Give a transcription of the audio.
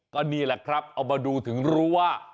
ก็นี่แหละครับเอามาดูถึงรู้ว่า